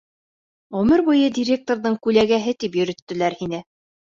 Ғүмер буйы «директорҙың күләгәһе» тип йөрөттөләр һине.